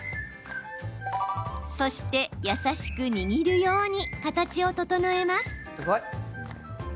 そして、優しく握るように形を整えます。